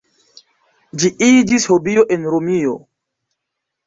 Ĝi iĝis hobio en Romio.